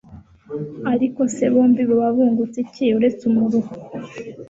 ariko se bombi baba bungutse iki uretse umuruho